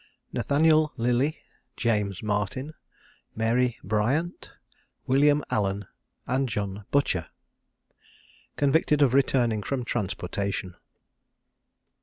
NATHANIEL LILLEY, JAMES MARTIN, MARY BRIANT, WILLIAM ALLEN, AND JOHN BUTCHER. CONVICTED OF RETURNING FROM TRANSPORTATION.